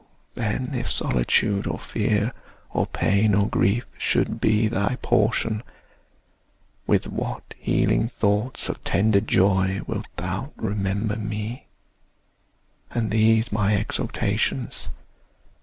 then, If solitude, or fear, or pain, or grief, Should be thy portion, with what healing thoughts Of tender joy wilt thou remember me, And these my exhortations!